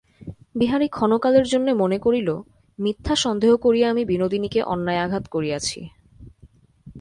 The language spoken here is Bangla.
বিহারী ক্ষণকালের জন্যে মনে করিল, মিথ্যা সন্দেহ করিয়া আমি বিনোদিনীকে অন্যায় আঘাত করিয়াছি।